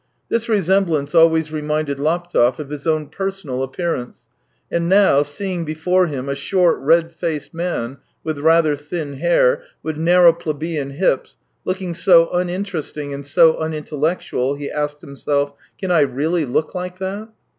This resemblance always reminded Laptev of his own personal appearance, and now, seeing before him a short, red faced man with rather thin hair, with narrow plebeian hips, looking so uninteresting and so unintel lectual, he asked himself: " Can I really look like that